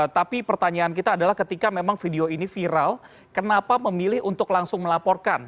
tapi pertanyaan kita adalah ketika memang video ini viral kenapa memilih untuk langsung melaporkan